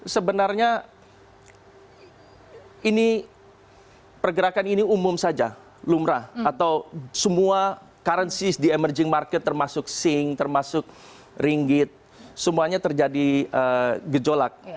sebenarnya ini pergerakan ini umum saja lumrah atau semua currency di emerging market termasuk sink termasuk ringgit semuanya terjadi gejolak